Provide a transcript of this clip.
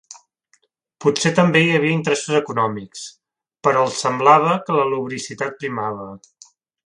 Potser també hi havia interessos econòmics, però els semblava que la lubricitat primava.